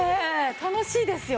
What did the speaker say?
楽しいですよ。